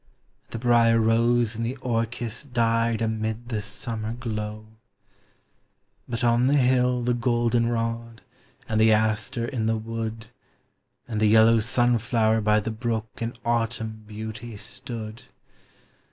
And the brier rose and the orchis died amid the summer glow ; But on the hill the golden rod, and the aster in the wood. And the yellow sunflower by the brook in autumn beauty stood.